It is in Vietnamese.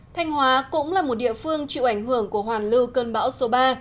thanh hóa cũng là một địa phương chịu ảnh hưởng của hoàn lưu cơn bão số ba